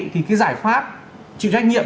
thì cái giải pháp chịu trách nhiệm